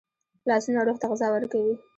لاسونه روح ته غذا ورکوي